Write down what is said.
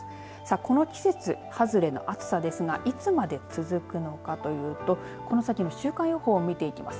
この季節外れの暑さですがいつまで続くのかというとこの先の週間予報を見ていきます。